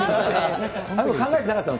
考えてなかったの？